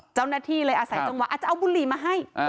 เจ้าหน้าที่เลยอาศัยจังหวะอาจจะเอาบุหรี่มาให้